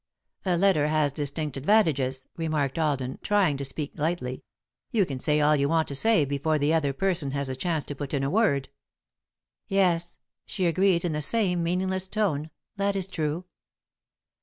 "A letter has distinct advantages," remarked Alden, trying to speak lightly. "You can say all you want to say before the other person has a chance to put in a word." "Yes," she agreed, in the same meaningless tone. "That is true."